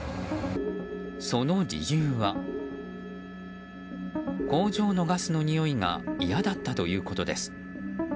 その理由は工場のガスのにおいが嫌だったということです。